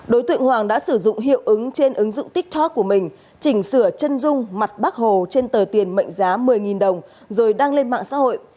đối tượng hoàng đã sử dụng hiệu ứng trên ứng dụng tiktok của mình chỉnh sửa chân dung mặt bác hồ trên tờ tiền mệnh giá một mươi đồng rồi đăng lên mạng xã hội